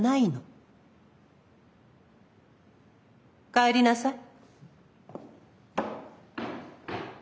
帰りなさい。